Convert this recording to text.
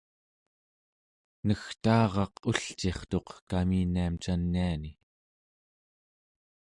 negtaaraq ulcirtuq kaminiam caniani